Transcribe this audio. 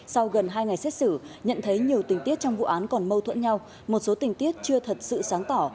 sau gần hai ngày xét xử nhận thấy nhiều tình tiết trong vụ án còn mâu thuẫn nhau một số tình tiết chưa thật sự sáng tỏ